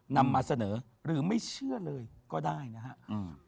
นำมาเสนอหรือไม่เชื่อเลยก็ได้นะครับ